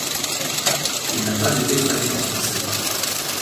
Il n'a pas été traduit en français.